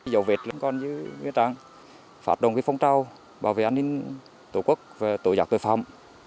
giáo vệ còn như phát động phong trao bảo vệ an ninh tổ quốc và tổ dạc tội phạm